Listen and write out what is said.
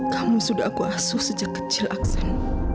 kamu sudah aku asuh sejak kecil aksen